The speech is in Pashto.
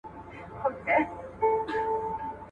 پر ډوډۍ یې زهر وپاشل په ښار کي`